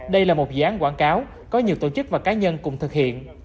đây là một dự án quảng cáo có nhiều tổ chức và cá nhân cùng thực hiện